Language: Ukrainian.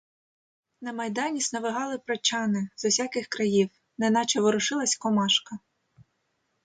На майдані сновигали прочани з усяких країв, неначе ворушилась комашка.